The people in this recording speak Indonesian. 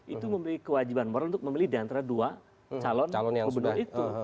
itu memiliki kewajiban moral untuk memilih diantara dua calon gubernur itu